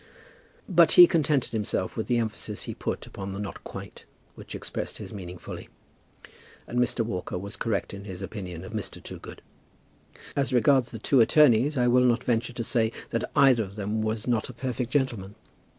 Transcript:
But he contented himself with the emphasis he put upon the "not quite," which expressed his meaning fully. And Mr. Walker was correct in his opinion of Mr. Toogood. As regards the two attorneys I will not venture to say that either of them was not a "perfect gentleman."